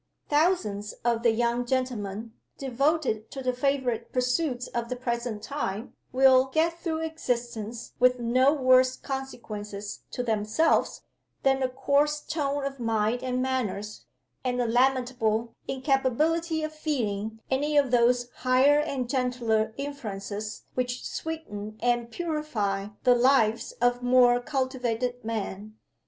Thousands of the young gentlemen, devoted to the favorite pursuits of the present time, will get through existence with no worse consequences to themselves than a coarse tone of mind and manners, and a lamentable incapability of feeling any of those higher and gentler influences which sweeten and purify the lives of more cultivated men.